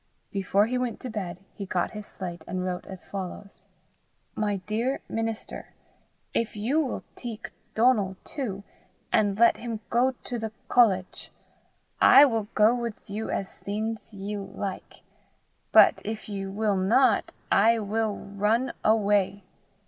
Before he went to bed, he got his slate, and wrote as follows: "my dear minister, If you will teak Donal too, and lett him go to the kolledg, I will go with you as seens ye like; butt if ye will not, I will runn away."